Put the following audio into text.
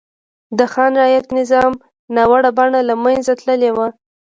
د خان رعیت نظام ناوړه بڼه له منځه تللې وه.